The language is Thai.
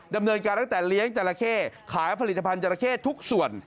ดำเนินการตั้งแต่เลี้ยงจราเข้ขายผลิตภัณฑ์จราเข้ทุกส่วน